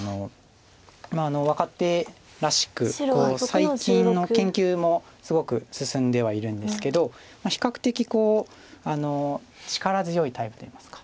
最近の研究もすごく進んではいるんですけど比較的力強いタイプといいますか。